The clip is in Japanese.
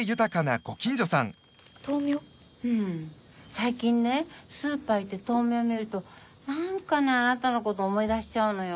最近ねスーパー行って豆苗見ると何かねあなたのこと思い出しちゃうのよ。